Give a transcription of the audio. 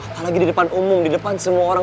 apalagi di depan umum di depan semua orang